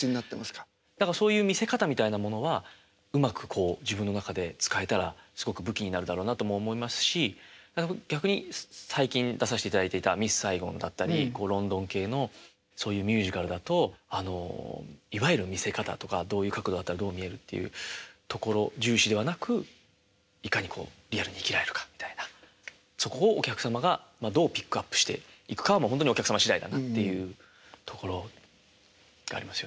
だからそういう見せ方みたいなものはうまくこう自分の中で使えたらすごく武器になるだろうなとも思いますし逆に最近出させていただいていた「ミスサイゴン」だったりロンドン系のそういうミュージカルだとあのいわゆる見せ方とかどういう角度だったらどう見えるっていうところ重視ではなくいかにこうリアルに生きられるかみたいなそこをお客様がどうピックアップしていくかはほんとにお客様次第だなっていうところがありますよね。